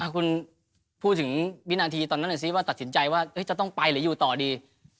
คุณพูดถึงวินาทีตอนนั้นหน่อยซิว่าตัดสินใจว่าจะต้องไปหรืออยู่ต่อดี